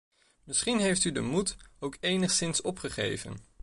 Misschien heeft u de moed ook enigszins opgegeven.